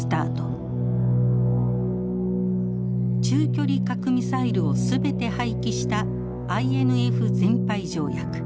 中距離核ミサイルを全て廃棄したＩＮＦ全廃条約。